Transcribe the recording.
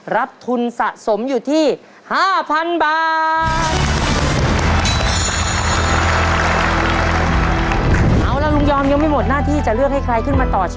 รับทุนสะสมอยู่ที่๕๐๐๐บาท